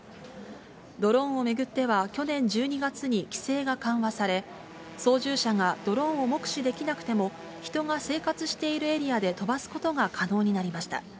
ドローンを巡っては、去年１２月に規制が緩和され、操縦者がドローンを目視できなくても、人が生活しているエリアで飛ばすことが可能になりました。